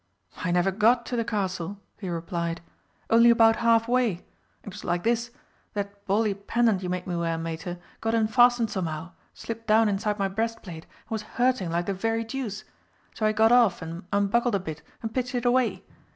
"I never got to the Castle," he replied, "only about half way. It was like this. That bally pendant you made me wear, Mater, got unfastened somehow, slipped down inside my breastplate and was hurting like the very deuce. So I got off and unbuckled a bit and pitched it away.